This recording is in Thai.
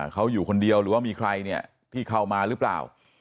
เขาอยู่คนเดียวหรือว่ามีใครเนี่ยที่เข้ามาหรือเปล่า